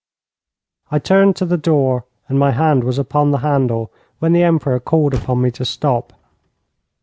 I turned to the door, and my hand was upon the handle, when the Emperor called upon me to stop.